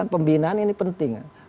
pembinaan ini penting